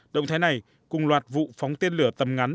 động thái này cùng loạt vụ phóng tên lửa tầm ngắn